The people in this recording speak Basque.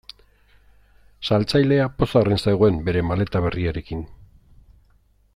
Saltzailea pozarren zegoen bere maleta berriarekin.